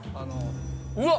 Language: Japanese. うわっ！